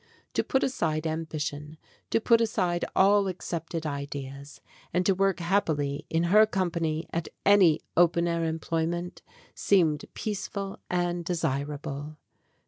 To put aside ambition, to put aside all ac cepted ideas, and to work happily in her company at any open air employment, seemed peaceful and desir able.